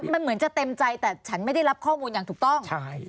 เมื่อจะเต็มใจแต่ฉันไม่ได้รับความคิดอย่างถูกต้อง